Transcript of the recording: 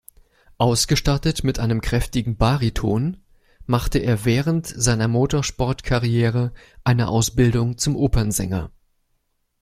Ausgestattet mit einem kräftigen Bariton machte er während seiner Motorsportkarriere eine Ausbildung zum Opernsänger.